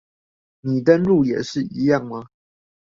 你登入也是一樣嗎？